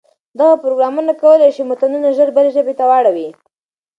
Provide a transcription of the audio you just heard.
دغه پروګرامونه کولای شي متنونه ژر بلې ژبې ته واړوي.